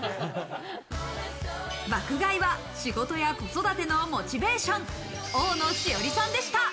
爆買いは仕事や子育てのモチベーション、大野詩織さんでした。